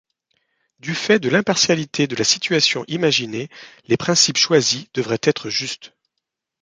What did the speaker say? Du fait de l'impartialité de la situation imaginée, les principes choisis devraient être justes.